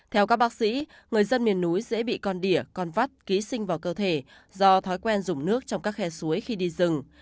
theo các bác sĩ người dân miền núi dễ bị con đỉa con vắt ký sinh vào cơ thể do thói quen dùng nước trong các khe suối khi đi rừng